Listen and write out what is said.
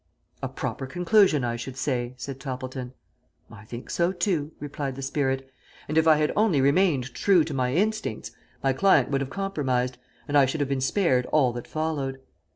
"A proper conclusion, I should say," said Toppleton. "I think so, too," replied the spirit, "and if I had only remained true to my instincts my client would have compromised, and I should have been spared all that followed.